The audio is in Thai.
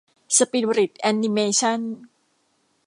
สปิริตแอนิเมชั่น